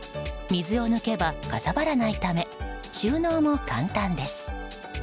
水を抜けば、かさばらないため収納も簡単です。